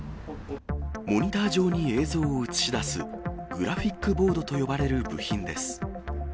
モニター上に映像を映し出すグラフィックボードと呼ばれる部品です。